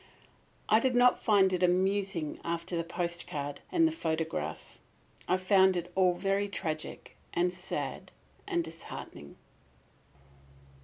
I did not find it amusing after the postcard and the photograph. I found it all very tragic and sad and disheartening.